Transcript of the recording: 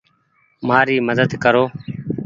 مآري مدد ڪرو ۔